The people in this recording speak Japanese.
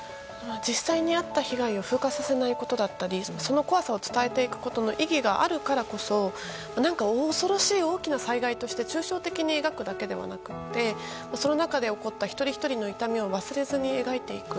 実際にあった被害を風化させないことだったりその怖さを伝えていくことの意義があるからこそ恐ろしい大きな災害として抽象的に描くことではなくてその中で起こった一人ひとりの痛みを忘れずに描いていく。